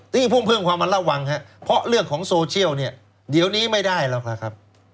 นี่เพิ่มความระมัดระวังเพราะเรื่องของโซเชียลเดี๋ยวนี้ไม่ได้หรอกครับ